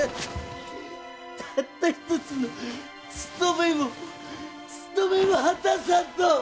たった一つのつとめもつとめも果たさんと！